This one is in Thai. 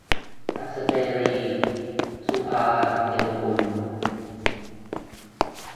อัศเจรีย์ - สุภาว์ เทวกุล